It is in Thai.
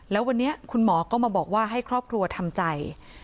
แล้ววันนี้คุณหมอก็มาบอกว่าให้ครอบครัวทำใจ